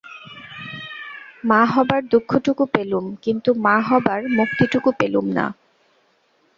মা হবার দুঃখটুকু পেলুম কিন্তু মা হবার মুক্তিটুকু পেলুম না।